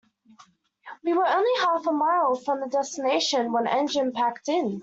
We were only half a mile from the destination when the engine packed in.